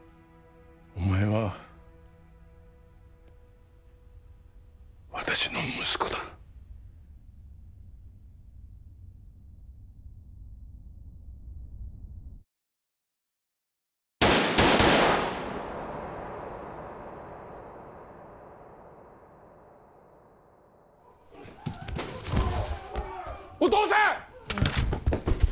お前は私の息子だお父さん！